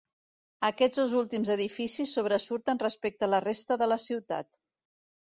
Aquests dos últims edificis sobresurten respecte a la resta de la ciutat.